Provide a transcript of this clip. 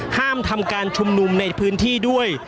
ห้ามทำการชุมนุมในพื้นที่ด้วย